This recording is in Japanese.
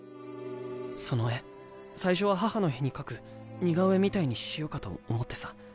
その絵最初は母の日に描く似顔絵みたいにしようかと思ってさ。